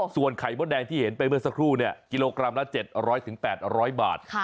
ส่วนไข่มดแดงที่เห็นไปเมื่อสักครู่กิโลกรัมละ๗๐๐๘๐๐บาท